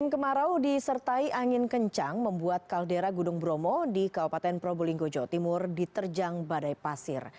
kemarau disertai angin kencang membuat kaldera gunung bromo di kabupaten probolinggo jawa timur diterjang badai pasir